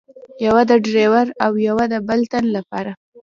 یوه د ډریور او یوه د بل تن له پاره.